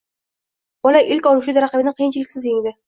Bola ilk olishuvda raqibini qiyinchiliksiz yengdi